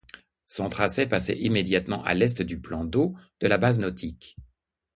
Son tracé passait immédiatement à l'est du plan d'eau de la base nautique.